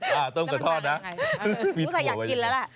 พี่ที่ฝ่ายอยากกินแล้วแหละ